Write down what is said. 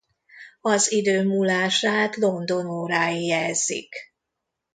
Az idő múlását London órái jelzik.